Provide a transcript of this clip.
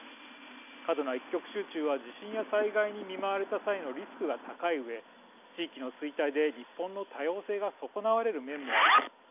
過度な一極集中は地震や災害に見舞われた際のリスクが高いうえ地域の衰退で日本の多様性が損なわれる面もあります。